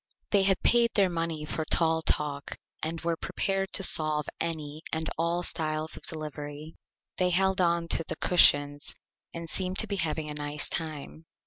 They had paid their Money for Tall Talk and were prepared to solve any and all styles of Delivery. They held on to the Cushions and seemed to be having a Nice Time.